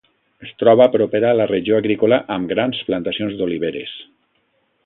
Es troba propera a la regió agrícola amb grans plantacions d'oliveres.